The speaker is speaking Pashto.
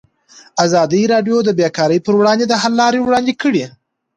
ازادي راډیو د بیکاري پر وړاندې د حل لارې وړاندې کړي.